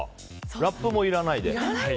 ラップもいらないで。